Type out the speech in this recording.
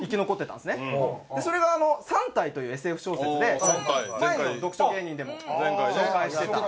それが『三体』というＳＦ小説で前の読書芸人でも紹介してた。